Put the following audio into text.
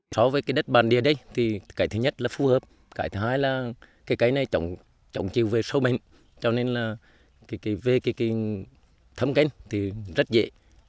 so với cái đất bàn đi ở đây thì cái thứ nhất là phù hợp cái thứ hai là cái này trồng chiều về sâu bên cho nên là về cái thấm kênh thì rất dễ